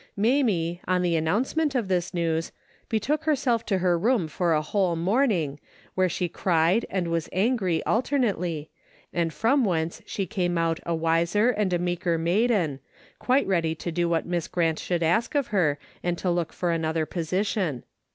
Mamie, on the announcement of this news, betook herself to her room for a whole morn ing, where she cried and was angry alter nately, and from whence she came out a wiser and a meeker maiden, quite ready to do what Miss Grant should ask of her, and to look for another position.